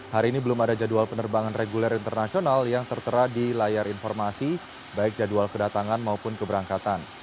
hari ini belum ada jadwal penerbangan reguler internasional yang tertera di layar informasi baik jadwal kedatangan maupun keberangkatan